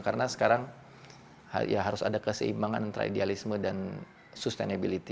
karena sekarang ya harus ada keseimbangan antara idealisme dan sustainability